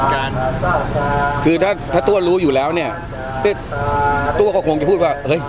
การครับคือถ้าถ้าตัวรู้อยู่แล้วเนี่ยตัวก็คงจะพูดว่าเฮ้ย